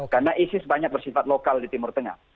karena isis banyak bersifat lokal di timur tengah